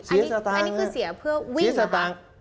เสียสตางค์อันนี้คือเสียเพื่อวิ่งนะครับ